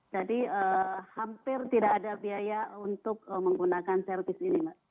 jadi hampir tidak ada biaya untuk menggunakan service ini mbak